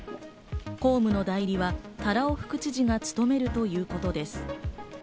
公務の代理は多羅尾副知事が務めるということです。